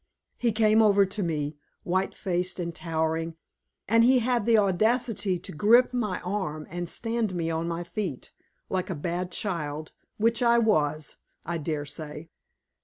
He came over to me, white faced and towering, and he had the audacity to grip my arm and stand me on my feet, like a bad child which I was, I dare say.